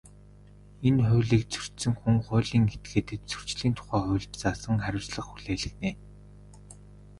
Энэ хуулийг зөрчсөн хүн, хуулийн этгээдэд Зөрчлийн тухай хуульд заасан хариуцлага хүлээлгэнэ.